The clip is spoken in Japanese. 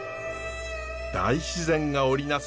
大自然が織りなす